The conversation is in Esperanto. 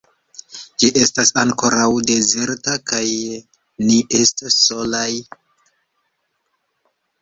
Ĝi estas ankoraŭ dezerta, kaj ni estos solaj.